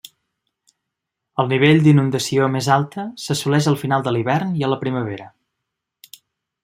El nivell d'inundació més alta s'assoleix al final de l'hivern i a la primavera.